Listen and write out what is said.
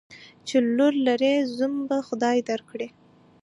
چی لور لرې ، زوم به خدای در کړي.